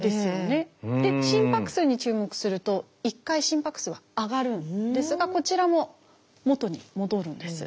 で心拍数に注目すると一回心拍数は上がるんですがこちらも元に戻るんです。